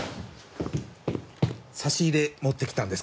差し入れ持ってきたんですけど。